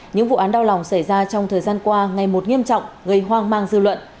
những vụ án đau lòng xảy ra trong thời gian qua ngày một nghiêm trọng gây hoang mang dư luận